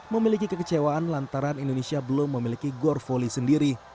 memiliki kekecewaan lantaran indonesia belum memiliki gor volley sendiri